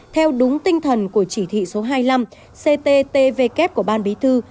theo đúng tinh thần của chỉ thị số hai mươi năm cttvk của ban bí thư